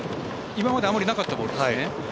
今まであまりなかったボールですね。